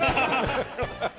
ハハハハ！